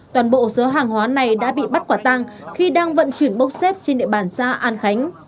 toàn bộ số hàng hóa này đã bị bắt quả tăng khi đang vận chuyển bốc xếp trên địa bàn xã an khánh